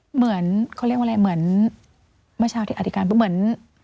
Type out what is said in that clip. เหมือนเขาเรียกว่าอะไรเหมือนเมื่อเช้าที่อธิการปุ๊บเหมือน